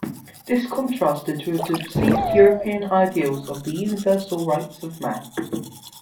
This contrasted with perceived European ideals of the universal rights of man.